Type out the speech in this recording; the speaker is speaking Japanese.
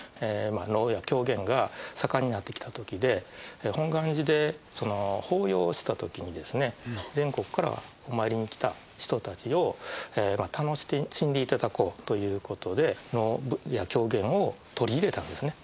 能や狂言が盛んになってきた時で本願寺で法要をした時にですね全国からお参りに来た人達を楽しんでいただこうということで能や狂言を取り入れたんですね